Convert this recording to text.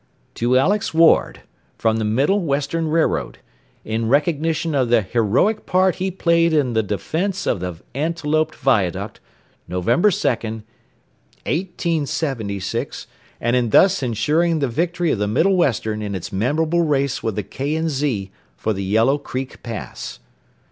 "'To Alex Ward, from the Middle Western Railroad, in recognition of the heroic part he played in the defense of the Antelope viaduct, November 2nd, 18 , and in thus ensuring the victory of the Middle Western in its memorable race with the K. & Z. for the Yellow Creek Pass.'